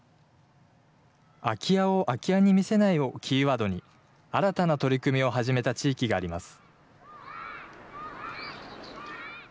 空き家を空き家に見せないをキーワードに新たな取り組みを始めた地域があります。